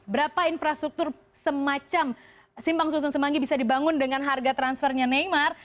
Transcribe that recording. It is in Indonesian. berapa infrastruktur semacam simpang susun semanggi bisa dibangun dengan harga transfernya neymar